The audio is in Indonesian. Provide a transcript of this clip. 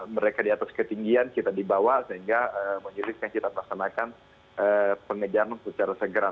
mereka di atas ketinggian kita dibawa sehingga majelis yang kita melaksanakan pengejaran secara segera